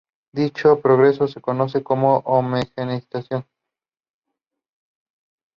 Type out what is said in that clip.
Dicho proceso se conoce como homogeneización.